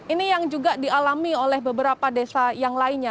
ini yang juga dialami oleh beberapa desa yang lainnya